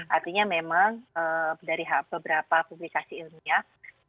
artinya memang dari beberapa publikasi ilmiah